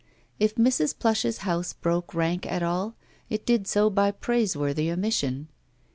If Mrs. Plush's house broke rank at all, it did so by praiseworthy omission.